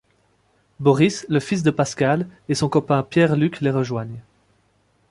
Boris, le fils de Pascale, et son copain Pierre-Luc les rejoignent.